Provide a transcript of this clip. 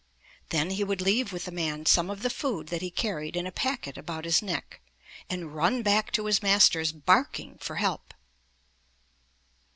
Then he would leave with the man some of the food that he carried in a packet about his neck, and run back to his masters, barking for help.